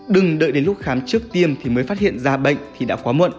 đừng đợi đến lúc khám trước tiêm thì mới phát hiện ra bệnh thì đã quá muộn